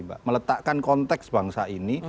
mbak meletakkan konteks bangsa ini